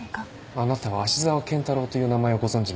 あなたは芦沢健太郎という名前をご存じないですか？